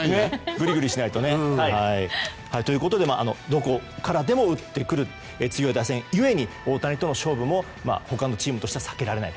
ぐりぐりしないとね。ということでどこからでも打ってくる次の打線ゆえに大谷との勝負も他のチームは避けられないと。